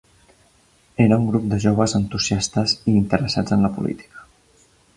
Era un grup de joves entusiastes i interessats en la política.